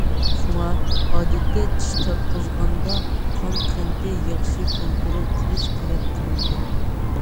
شۇڭا، ئادەتتە چىش تارتقۇزغاندا، قان قەنتىنى ياخشى كونترول قىلىش تەلەپ قىلىنىدۇ.